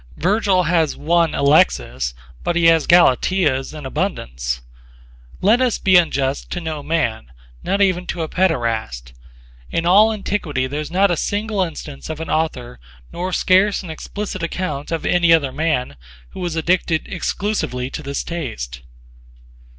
Virgil has one Alexis, but he has Galateas [blank] in abundance. Let us be unjust to no man: not even to a paederast. In all antiquity there is not a single instance of an author nor scarce an explicit account of any other man who was addicted exclusively to this taste.